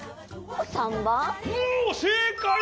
おおせいかい！